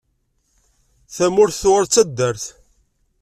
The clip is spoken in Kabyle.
Tamurt tuɣal d taddart.